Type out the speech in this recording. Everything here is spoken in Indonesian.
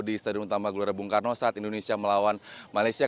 di stadion utama gelora bung karno saat indonesia melawan malaysia